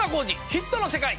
ヒットの世界』。